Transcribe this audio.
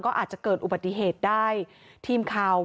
ก็อาจจะเกิดอุบัติเหตุได้ทีมข่าว